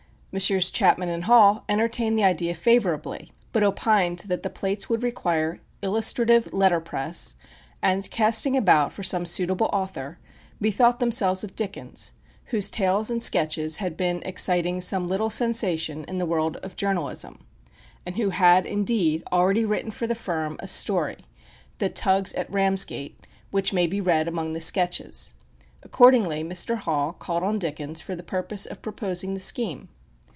Messrs. Chapman and Hall entertained the idea favourably, but opined that the plates would require illustrative letter press; and casting about for some suitable author, bethought themselves of Dickens, whose tales and sketches had been exciting some little sensation in the world of journalism; and who had, indeed, already written for the firm a story, the "Tuggs at Ramsgate," which may be read among the "Sketches." Accordingly Mr. Hall called on Dickens for the purpose of proposing the scheme.